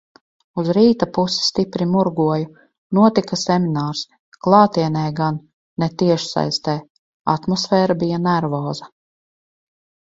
Uz rīta pusi stipri murgoju. Notika seminārs. Klātienē gan, ne tiešsaistē. Atmosfēra bija nervoza.